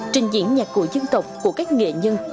trình diễn nhạc cụ dân tộc của các nghệ nhân